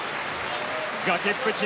崖っぷち。